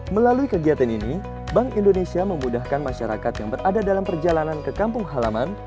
melalui kegiatan ini bank indonesia memudahkan masyarakat yang berada dalam perjalanan ke kampung halaman